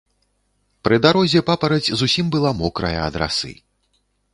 Пры дарозе папараць зусім была мокрая ад расы.